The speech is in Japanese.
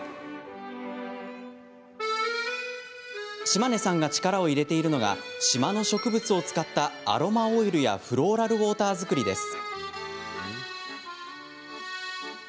島根さんが力を入れているのが島の植物を使ったアロマオイルやフローラルウォーター作りです。